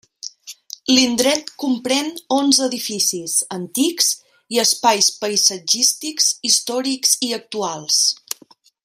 L'indret comprèn onze edificis antics i espais paisatgístics històrics i actuals.